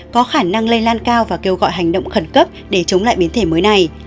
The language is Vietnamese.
có khả năng lây lan cao và kêu gọi hành động khẩn cấp để chống lại biến thể mới này